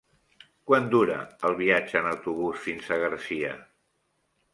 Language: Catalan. Quant dura el viatge en autobús fins a Garcia?